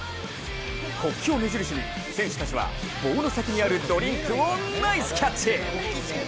国旗を目印に選手たちは棒の先にあるドリンクをナイスキャッチ！